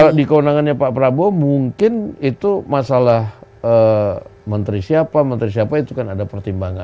kalau di kewenangannya pak prabowo mungkin itu masalah menteri siapa menteri siapa itu kan ada pertimbangan